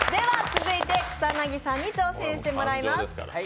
続いて草薙さんに挑戦してもらいます。